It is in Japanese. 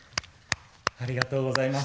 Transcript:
ありがとうございます。